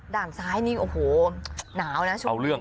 ด้านซ้ายนี่โอ้โหววหนาวช่วงรุง